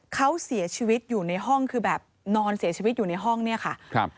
เขาเสียชีวิตอยู่ในห้องคือแบบนอนเสียชีวิตอยู่ในห้องเนี่ยค่ะครับ